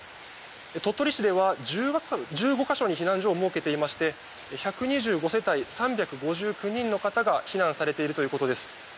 鳥取市では１５か所に避難所を設けていまして１２５世帯３５９人の方が避難されているということです。